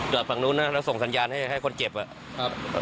จอดฝั่งนู้นนะแล้วส่งสัญญาณให้ให้คนเจ็บอ่ะครับ